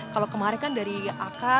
kalau kemarin kan dari ak